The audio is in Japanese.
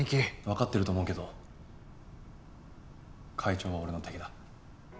わかってると思うけど会長は俺の敵だ。